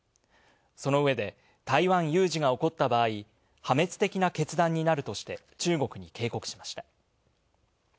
その上で、台湾有事が起こった場合「破滅的な決断」になるとして中国に警告しました。